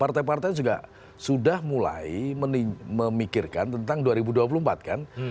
partai partai juga sudah mulai memikirkan tentang dua ribu dua puluh empat kan